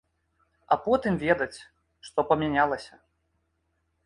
А потым ведаць, што памянялася.